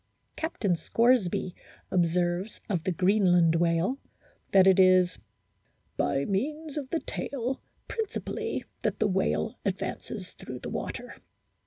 Captain Scoresby observes of the Greenland whale that it is "by means of the tail principally that the whale advances through the water.